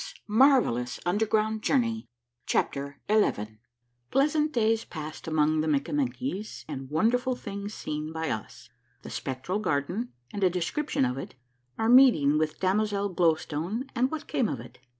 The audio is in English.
A MARVELLOUS UNDERGROUiyD JOURNEY 67 CHAPTER XI PLEASANT DAYS PASSED AMONG THE MIKKAMENKIES, AND WONDERFUL THINGS SEEN BY US. — THE SPECTRAL GARDEN, AND A DESCRIPTION OF IT. — OUR MEETING WITH DAMOZEL GLOW STONE, AND WHAT CAME OF IT.